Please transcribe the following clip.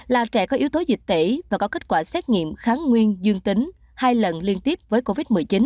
là trẻ có yếu tố dịch tễ và có kết quả xét nghiệm kháng nguyên dương tính hai lần liên tiếp với covid một mươi chín